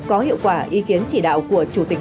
có hiệu quả ý kiến chỉ đạo của chủ tịch